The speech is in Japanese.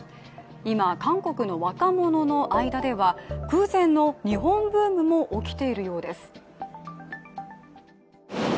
今、韓国の若者の間では空前の日本ブームも起きているようです。